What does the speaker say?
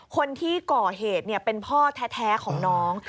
คนที่ก่อเหตุเป็นพ่อแท้ของน้อง